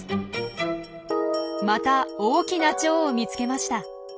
また大きなチョウを見つけました。